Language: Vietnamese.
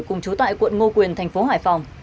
cùng chú tại quận ngô quyền thành phố hải phòng